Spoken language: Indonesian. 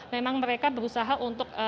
memang mereka berusaha untuk